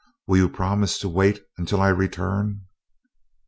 Will you promise to wait until I return?"